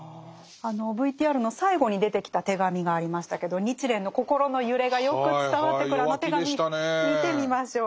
ＶＴＲの最後に出てきた手紙がありましたけど日蓮の心の揺れがよく伝わってくるあの手紙見てみましょう。